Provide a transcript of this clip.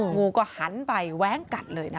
งูก็หันไปแว้งกัดเลยนะคะ